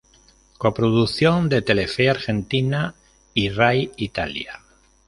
Coproducción de Telefe Argentina y Ray Italia.